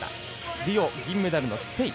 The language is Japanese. リオ銀メダルのスペイン。